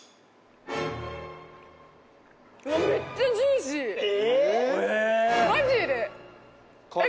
めっちゃジューシーマジでえっ